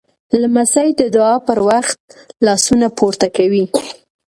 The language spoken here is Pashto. لمسی د دعا پر وخت لاسونه پورته کوي.